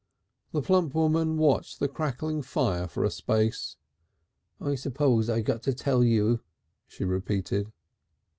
The plump woman watched the crackling fire for a space. "I suppose I got to tell you," she repeated.